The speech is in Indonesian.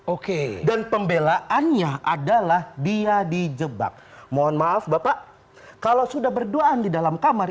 oke dan pembelaannya adalah dia di jebak mohon maaf bapak kalau sudah berduaan di dalam kamar